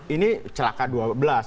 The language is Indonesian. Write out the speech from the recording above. ini celaka dua belas